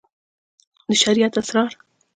د شريعت اسرار